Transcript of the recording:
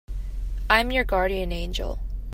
I'm your guardian angel.